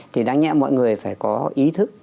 thì đáng nhẽ mọi người phải có ý thức